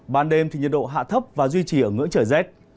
ban đêm thì nhiệt độ hạ thấp và duy trì ở ngưỡng trời rét